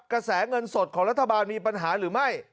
กระแสเงินสดของรัฐบาลมีปัญหาหรือไม่